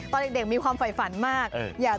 ตอนเด็กมีความฝ่ายฝันมาก